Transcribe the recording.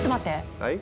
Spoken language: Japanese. はい？